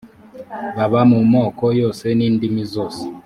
baba mu moko yose n’indimi zose